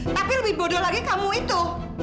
tapi lebih bodoh lagi kamu itu